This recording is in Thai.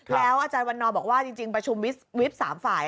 แล้วอาจารย์วันนอบอกว่าจริงประชุมวิบ๓ฝ่าย